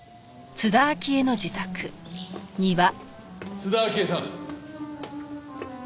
津田明江さん。